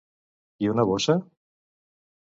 I una bossa?